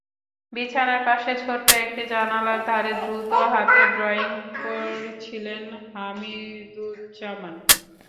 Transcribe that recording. বিছানার পাশে ছোট্ট একটি জানালার ধারে দ্রুত হাতে ড্রয়িং করছিলেন হামিদুজ্জামান।